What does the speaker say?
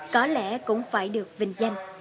có lẽ cũng phải được vinh danh